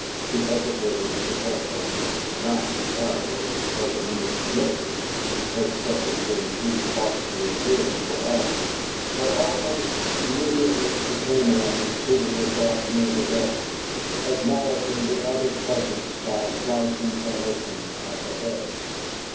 She hesitated at the threshold, not, apparently, because of any timidity (her expression being too thoughtfully assured for that), but almost immediately she came in and seated herself near the desk, acknowledging the other's presence by a slight inclination of the head.